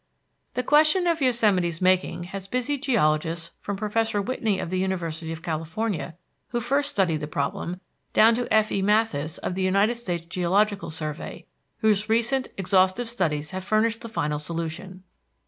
The question of Yosemite's making has busied geologists from Professor Whitney of the University of California, who first studied the problem, down to F.E. Matthes, of the United States Geological Survey, whose recent exhaustive studies have furnished the final solution.